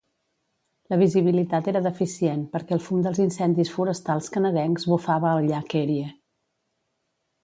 La visibilitat era deficient perquè el fum dels incendis forestals canadencs bufava al llac Erie.